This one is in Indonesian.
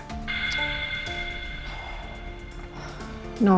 kamu terlalu banyak